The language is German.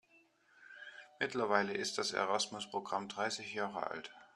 Mittlerweile ist das Erasmus-Programm dreißig Jahre alt.